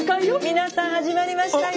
皆さん始まりましたよ！